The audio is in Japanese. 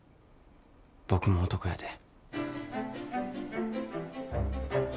僕も男やで。